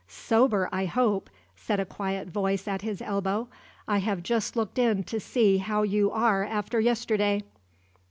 "Sober, I hope," said a quiet voice at his elbow. "I have just looked in to see how you are after yesterday."